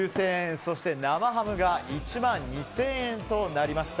そして、生ハムが１万２０００円となりました。